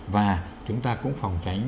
và chúng ta cũng phòng tránh